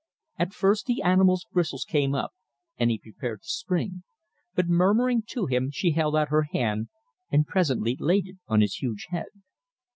At first the animal's bristles came up, and he prepared to spring, but murmuring to him, she held out her hand, and presently laid it on his huge head.